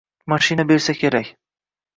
mashina bersa kerak.